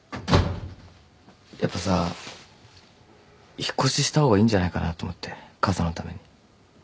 やっぱさ引っ越しした方がいいんじゃないかなと思って母さんのために。